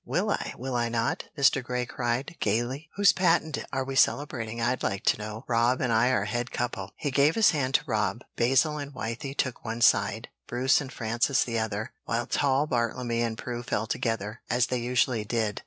"Will I? Will I not?" Mr. Grey cried, gayly. "Whose patent are we celebrating, I'd like to know? Rob and I are head couple." He gave his hand to Rob, Basil and Wythie took one side, Bruce and Frances the other, while tall Bartlemy and Prue fell together, as they usually did.